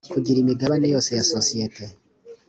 kugura imigabane yose ya sosiyete